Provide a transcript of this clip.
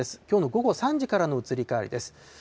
きょうの午後３時からの移り変わりです。